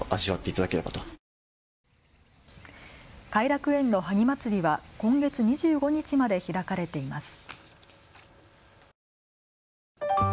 偕楽園の萩まつりは今月２５日まで開かれています。